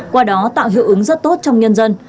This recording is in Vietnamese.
qua đó tạo hiệu ứng rất tốt trong nhân dân